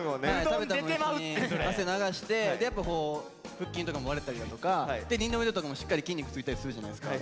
食べた分一緒に汗流してやっぱ腹筋とかも割れたりだとか二の腕とかもしっかり筋肉ついたりするじゃないですか。